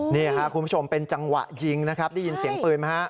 นี่ค่ะคุณผู้ชมเป็นจังหวะยิงนะครับได้ยินเสียงปืนไหมฮะ